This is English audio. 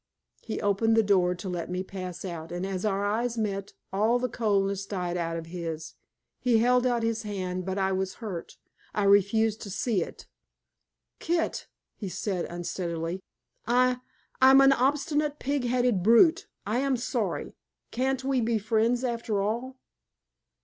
He opened the door to let me pass out, and as our eyes met, all the coldness died out of his. He held out his hand, but I was hurt. I refused to see it. "Kit!" he said unsteadily. "I I'm an obstinate, pig headed brute. I am sorry. Can't we be friends, after all?"